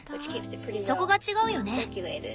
そこが違うよね。